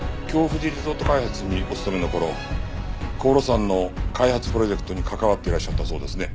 リゾート開発にお勤めの頃紅露山の開発プロジェクトに関わっていらっしゃったそうですね。